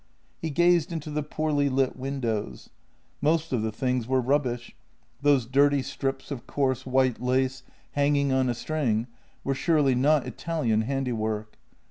He gazed into the poorly lit windows. Most of the things were rubbish — those dirty strips of coarse JENNY 13 white lace hanging on a string were surely not Italian handi work.